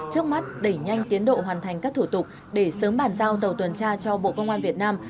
trước mắt đẩy nhanh tiến độ hoàn thành các thủ tục để sớm bàn giao tàu tuần tra cho bộ công an việt nam